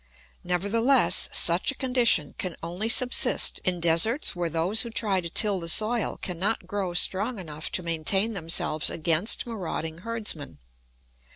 ] Nevertheless, such a condition can only subsist in deserts where those who try to till the soil cannot grow strong enough to maintain themselves against marauding herdsmen.